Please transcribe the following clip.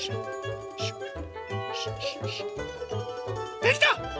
できた！